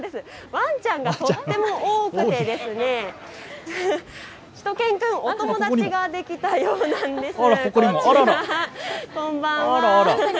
ワンちゃんがとっても多くてしゅと犬くん、お友達ができたようです。